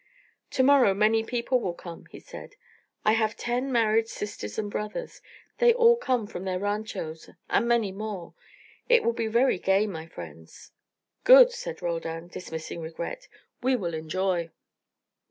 "To morrow many people will come," he said. "I have ten married sisters and brothers. They all come from their ranchos, and many more. It will be very gay, my friends." "Good," said Roldan, dismissing regret. "We will enjoy."